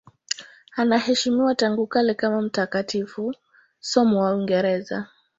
Anaheshimiwa tangu kale kama mtakatifu, somo wa Uingereza.